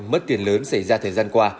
mất tiền lớn xảy ra thời gian qua